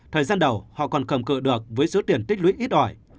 thời gian đầu họ còn cầm cự được với số tiền tích lũy ít ỏi